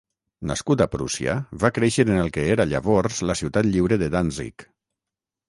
Nascut a Prússia, va créixer en el que era llavors la ciutat lliure de Danzig.